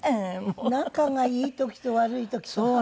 仲がいい時と悪い時と激しいね。